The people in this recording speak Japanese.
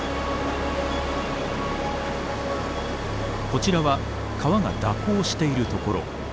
こちらは川が蛇行しているところ。